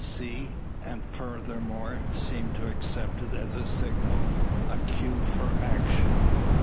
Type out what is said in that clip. See, and furthermore, seem to accept it as a signal a cue for action.